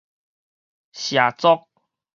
畲族